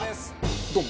ドン！